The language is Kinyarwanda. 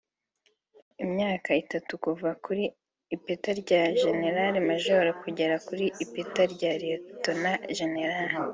imyaka itatu kuva ku ipeti rya Jenerali Majoro kugera ku ipeti rya Liyetona Jenerali